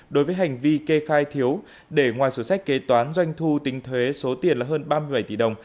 đối với hành vi kê khai thiếu để ngoài sổ sách kế toán doanh thu tính thuế số tiền là hơn ba mươi bảy tỷ đồng